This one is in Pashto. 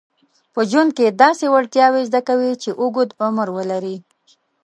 په ژوند کې داسې وړتیاوې زده کوي چې اوږد عمر ولري.